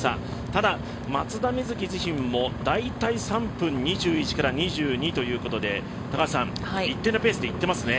ただ、松田瑞生自身も大体３分２１から２２ということで一定のペースで行っていますね。